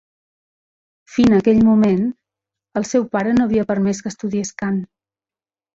Fina aquell moment, el seu pare no havia permès que estudiés cant.